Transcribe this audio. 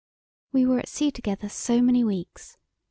We were at sea together so many weeks.